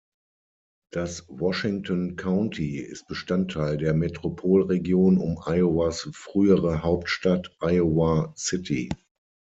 Das Washington County ist Bestandteil der Metropolregion um Iowas frühere Hauptstadt Iowa City.